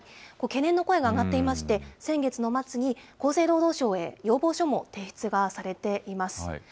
懸念の声が上がっていまして、先月の末に、厚生労働省へ要望書も提出がされています。